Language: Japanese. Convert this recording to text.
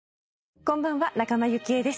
こんばんは仲間由紀恵です。